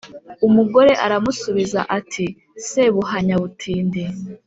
umugore aramusubiza ati: "sebuhanya butindi